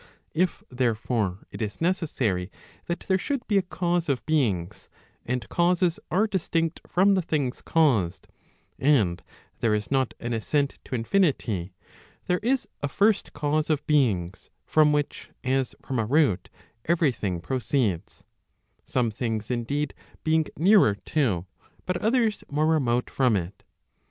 If, therefore, it is necessary that there should be a cause of beings, and causes are distinct from the things caused, and there is not an ascent to infinity, there is a first cause of beings, from which as from a root every thing proceeds; some things indeed being nearer to, but others more remote from it.